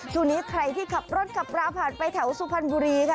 ช่วงนี้ใครที่ขับรถขับราผ่านไปแถวสุพรรณบุรีค่ะ